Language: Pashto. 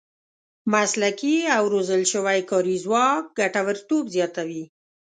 مسلکي او روزل شوی کاري ځواک ګټورتوب زیاتوي.